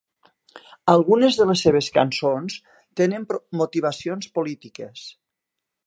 Algunes de les seves cançons tenen motivacions polítiques.